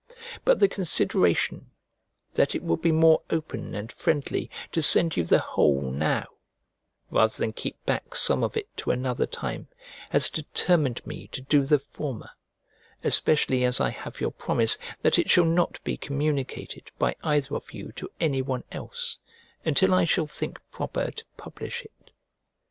But the consideration, that it will be more open and friendly to send you the whole now, rather than keep back some of it to another time, has determined me to do the former, especially as I have your promise that it shall not be communicated by either of you to anyone else, until I shall think proper to publish it.